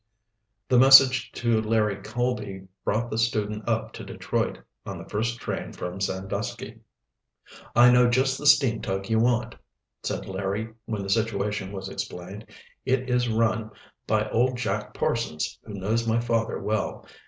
The message to Larry Colby brought that student up to Detroit on the first train from Sandusky. "I know just the steam tug you want," said Larry, when the situation was explained. "It is rum by old Jack Parsons, who knows my father well.